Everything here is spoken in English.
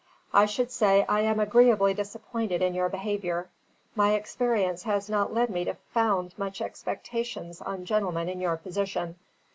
I should say I am agreeably disappointed in your behaviour. My experience has not led me to found much expectations on gentlemen in your position."